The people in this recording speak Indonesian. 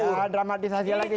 ya dramatisasi lagi